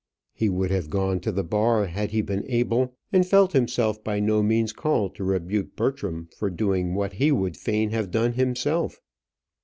He would have gone to the bar had he been able; and felt himself by no means called to rebuke Bertram for doing what he would fain have done himself.